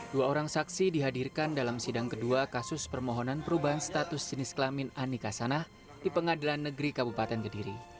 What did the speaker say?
dua orang saksi dihadirkan dalam sidang kedua kasus permohonan perubahan status jenis kelamin anika sanah di pengadilan negeri kabupaten kediri